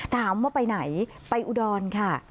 ถามว่าไปไหนไปอุดรค่ะ